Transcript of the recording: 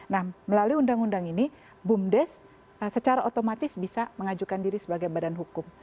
nah melalui undang undang ini bumdes secara otomatis bisa mengajukan diri sebagai badan hukum